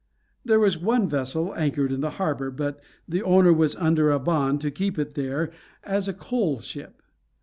There was one vessel anchored in the harbor, but the owner was under a bond to keep it there as a coal ship.